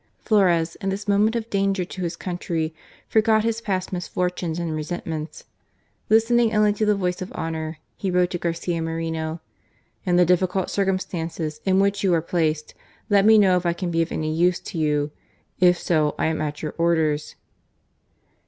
Flores, in this moment of danger to his country, forgot his past misfortunes and resentments. Listening only to the voice of honour, he wrote to Garcia Moreno: " In the difficult circum stances in which you are placed, let me know if I can be of any use to you. If so, I am at your orders."